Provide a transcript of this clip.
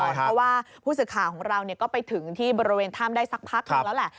เพราะว่าผู้สื่อข่าวของเราก็ไปถึงที่บริเวณถ้ำได้สักพักนึงแล้วแหละ